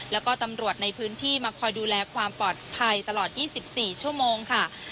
แล้วก็ตำรวจในพื้นที่มาคอยดูแลความปลอดภัยตลอด๒๔ชั่วโมงค่ะ